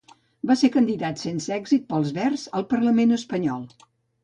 Va ser candidat sense èxit pels Verds al Parlament Espanyol.